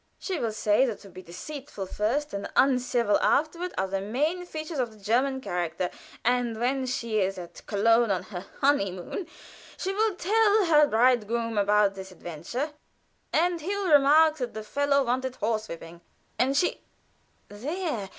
She will say that to be deceitful first and uncivil afterward are the main features of the German character, and when she is at Cologne on her honey moon, she will tell her bride groom about this adventure, and he will remark that the fellow wanted horsewhipping, and she " "There!